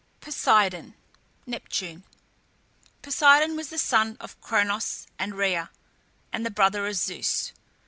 POSEIDON (NEPTUNE). Poseidon was the son of Kronos and Rhea, and the brother of Zeus.